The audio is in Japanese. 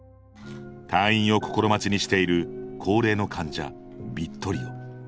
退院を心待ちにしている高齢の患者ヴィットリオ